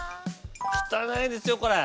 汚いですよこれ。